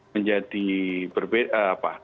menjadi berbeda apa